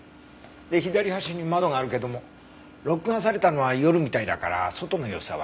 で左端に窓があるけども録画されたのは夜みたいだから外の様子はわかんないね。